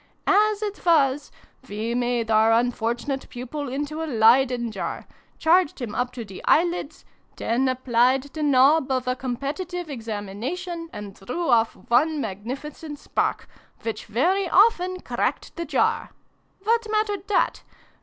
As it was, we made our unfortunate pupil into a Leyden jar, charged him up to the eyelids then applied the knob of a Competitive Ex amination, and drew off one magnificent spark, which very often cracked the jar ! What mattered that